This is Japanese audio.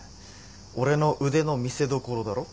俺の腕の見せどころだろ。